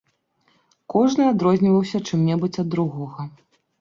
Кожны адрозніваўся чым-небудзь ад другога.